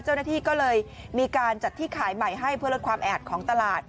เจ้าหน้าที่ก็เลยมีการจัดที่ขายใหม่ให้เพื่อลดความแออัดของตลาด